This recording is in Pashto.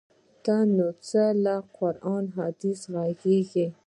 ته نو څه له قران او احادیثو ږغیږې؟!